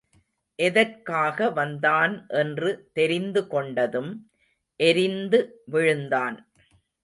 எதற்காக வந்தான் என்று தெரிந்து கொண்டதும் எரிந்து விழுந்தான்.